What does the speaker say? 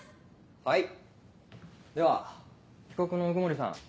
はいでは被告の鵜久森さん。